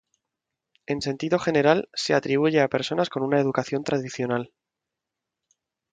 En sentido general, se atribuye a personas con una educación tradicional.